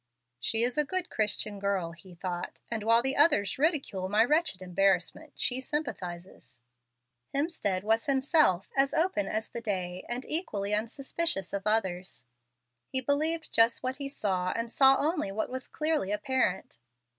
"She is a good Christian girl," he thought, "and while the others ridicule my wretched embarrassment, she sympathizes." Hemstead was himself as open as the day and equally unsuspicious of others. He believed just what he saw, and saw only what was clearly apparent.